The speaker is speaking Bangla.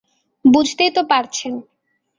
বুঝতেই তো পারছেন।